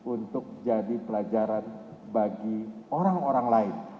untuk jadi pelajaran bagi orang orang lain